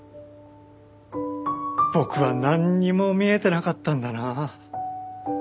僕はなんにも見えてなかったんだな。